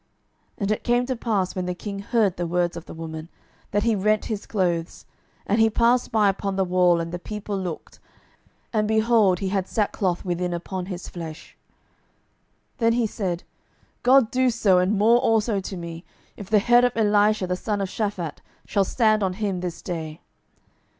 12:006:030 And it came to pass, when the king heard the words of the woman, that he rent his clothes; and he passed by upon the wall, and the people looked, and, behold, he had sackcloth within upon his flesh. 12:006:031 Then he said, God do so and more also to me, if the head of Elisha the son of Shaphat shall stand on him this day.